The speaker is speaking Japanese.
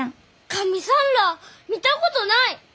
神さんらあ見たことない！